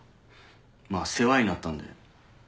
まぁ世話になったんで。